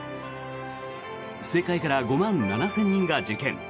世界から５万７０００人が受験。